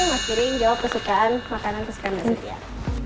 mas giring jawab kesukaan makanan kesukaan mas sintia